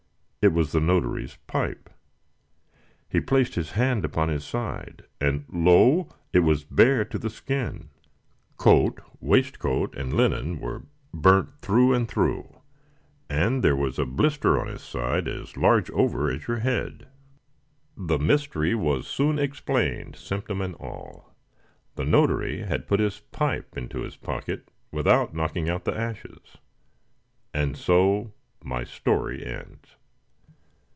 It was the notary's pipe. He placed his hand upon his side, and lo! it was bare to the skin. Coat, waistcoat, and linen were burnt through and through, and there was a blister on his side as large over as your head! The mystery was soon explained, symptom and all. The notary had put his pipe into his pocket without knocking out the ashes! And so my story ends.